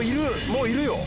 もういるよ